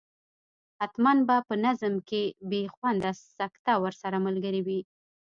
حتما به په نظم کې بې خونده سکته ورسره ملګرې وي.